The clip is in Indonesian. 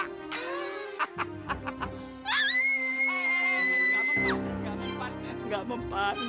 gak mempan gak mempan